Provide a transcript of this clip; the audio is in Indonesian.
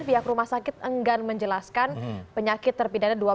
pihak rumah sakit enggan menjelaskan penyakit terpidana